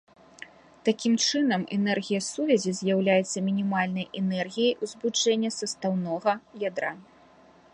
Такім чынам энергія сувязі з'яўляецца мінімальнай энергіяй ўзбуджэння састаўнога ядра.